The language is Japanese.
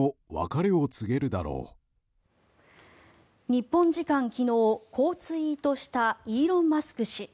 日本時間昨日こうツイートしたイーロン・マスク氏。